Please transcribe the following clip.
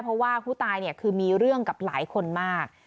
เพราะว่าผู้ตายเนี่ยคือมีเรื่องกับหลายคนมาก